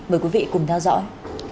mời quý vị cùng theo dõi